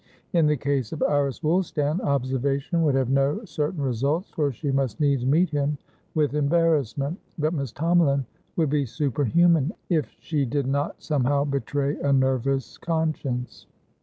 In the case of Iris Woolstan, observation would have no certain results, for she must needs meet him with embarrassment. But Miss Tomalin would be superhuman if she did not somehow betray a nervous conscience.